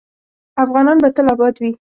افغانستان به تل اباد وي